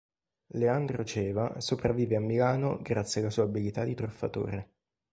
Leandro Ceva sopravvive a Milano grazie alla sua abilità di truffatore.